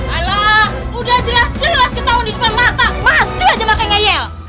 alah udah jelas jelas ketauan di depan mata masih aja pake ngayel